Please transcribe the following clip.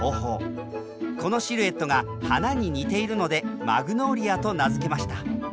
このシルエットが花に似ているので「Ｍａｇｎｏｌｉａ」と名付けました。